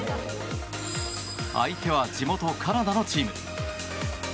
相手は地元カナダのチーム。